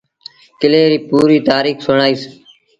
ڪلي ريٚ پوريٚ تآريٚک سُڻآئيٚس